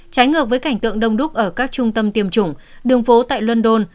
trái ngược với cảnh tượng đông đúc ở các trung tâm tiêm chủng đường phố tại london